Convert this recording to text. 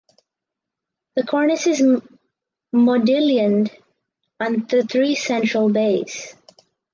The Cornice is modillioned on the three central bays.